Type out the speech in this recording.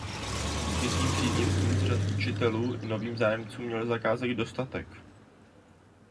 Díky svým příznivcům z řad učitelů i novým zájemcům měl zakázek dostatek.